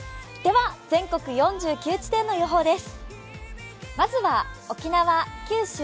全国４９地点の予報です。